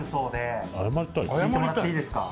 聞いてもらっていいですか？